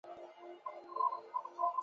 他回应这一声明时却表现得很成熟。